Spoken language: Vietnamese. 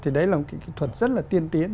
thì đấy là một cái kỹ thuật rất là tiên tiến